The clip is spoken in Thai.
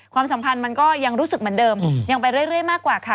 ความสัมพันธ์มันก็ยังรู้สึกเหมือนเดิมยังไปเรื่อยมากกว่าค่ะ